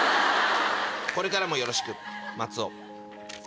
「これからもよろしく松尾」。